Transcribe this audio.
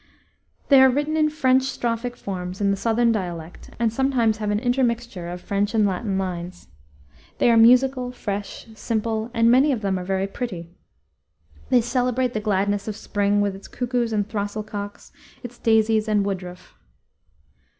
They are written in French strophic forms in the southern dialect, and sometimes have an intermixture of French and Latin lines. They are musical, fresh, simple, and many of them very pretty. They celebrate the gladness of spring with its cuckoos and throstle cocks, its daisies and woodruff.